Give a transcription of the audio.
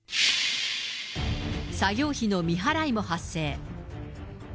作業費の未払いも発生。